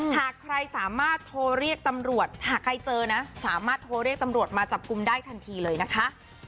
หากใครสามารถโทรเรียกตำรวจหากใครเจอนะสามารถโทรเรียกตำรวจมาจับกลุ่มได้ทันทีเลยนะคะ